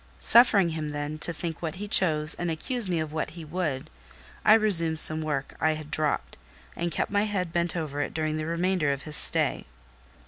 Suffering him, then, to think what he chose and accuse me of what he would, I resumed some work I had dropped, and kept my head bent over it during the remainder of his stay.